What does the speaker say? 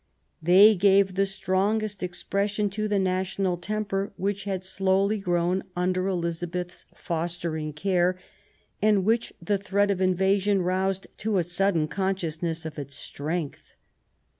They gave the strongest expression to the national temper, which had slowly grown under Elizabeth's fostering care, and which the threat of invasion roused to a sudden consciousness of its strength.